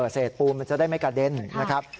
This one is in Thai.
เศษปูนมันจะได้ไม่กระเด็นนะครับ